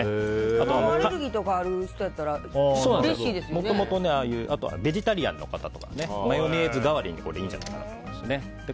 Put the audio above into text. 卵アレルギーとかある人とかやったらあとはベジタリアンの方とかマヨネーズ代わりにいいんじゃないかと。